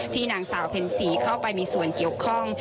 นางสาวเพ็ญศรีเข้าไปมีส่วนเกี่ยวข้อง